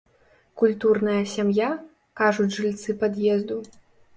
Культурная сям'я, кажуць жыльцы пад'езду.